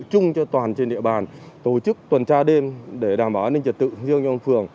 chung cho toàn trên địa bàn tổ chức tuần tra đêm để đảm bảo an ninh trật tự riêng cho ông phường